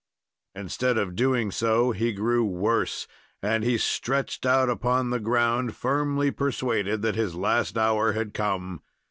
Instead of doing so, he grew worse, and he stretched out upon the ground, firmly persuaded that his last hour had came.